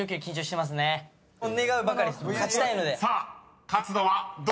［さあ勝つのはどちらか⁉］